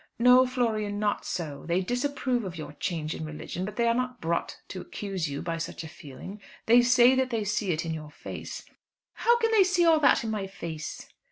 "No, Florian, not so; they disapprove of your change in religion, but they are not brought to accuse you by such a feeling. They say that they see it in your face." "How can they see all that in my face?"